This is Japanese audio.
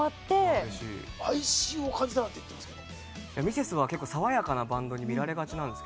哀愁を感じたなんて言ってますけども。